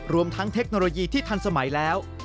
รวมทั้งเทคโนโลยีที่ทันสมัยแล้ว